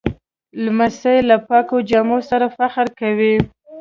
لمسی له پاکو جامو سره فخر کوي.